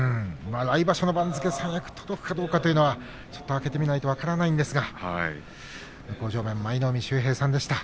来場所の番付三役届くかどうかは開けてみないと分からないんですが向正面舞の海秀平さんでした。